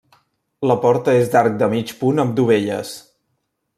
La porta és d'arc de mig punt amb dovelles.